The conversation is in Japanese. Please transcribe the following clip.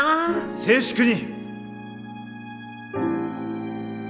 静粛に！